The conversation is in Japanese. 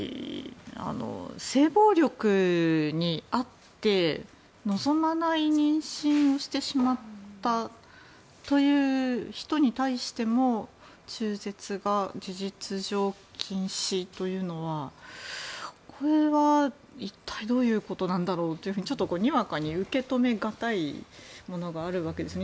性暴力に遭って望まない妊娠をしてしまったという人に対しても中絶が事実上禁止というのはこれは一体どういうことなんだろうってちょっとにわかに受け止め難いものがあるわけです。